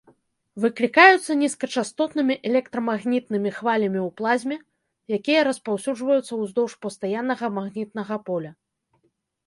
Выклікаюцца нізкачастотнымі электрамагнітнымі хвалямі ў плазме, якія распаўсюджваюцца ўздоўж пастаяннага магнітнага поля.